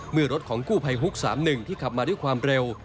เมื่อรถของกู้ภัยฮุก๓๑ที่ขับมาด้วยความเร็ว